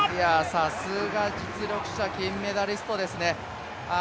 さすが実力者、金メダリストですね。